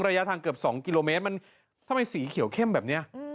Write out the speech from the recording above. ระยะทางเกือบ๒กิโลเมตรมันทำไมสีเขียวเข้มแบบนี้